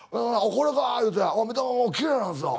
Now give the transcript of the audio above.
これか言うて見た目もきれいなんですよ。